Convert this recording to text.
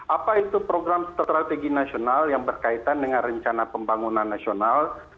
apa itu program strategi nasional yang berkaitan dengan rencana pembangunan nasional